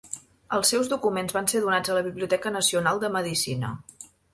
Els seus documents van ser donats a la Biblioteca Nacional de Medicina.